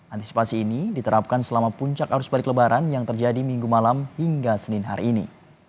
antisipasi ini diterapkan selama puncak arus balik lebaran yang terjadi minggu malam hingga senin hari ini